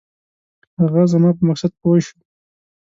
هغه زما په مقصد پوی شو.